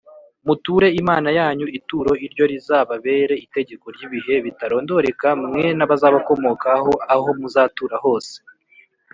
Muture Imana yanyu ituro iryo rizababere itegeko ry’ibihe bitarondoreka mwe n’abazabakomokaho aho muzatura hose